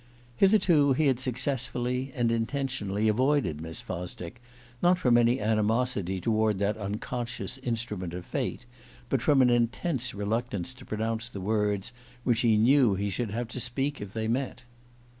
Hitherto he had successfully, and intentionally, avoided Miss Fosdick, not from any animosity toward that unconscious instrument of fate, but from an intense reluctance to pronounce the words which he knew he should have to speak if they met.